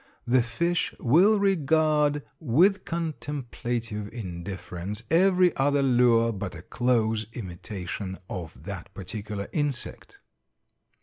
The fish will regard with contemplative indifference every other lure but a close imitation of that particular insect.